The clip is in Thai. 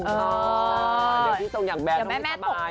อย่างที่ตรงอย่างแบบน้อยสบาย